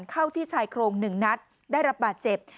เข้าที่ชายโครง๑นัดได้รับบาดเจ็บ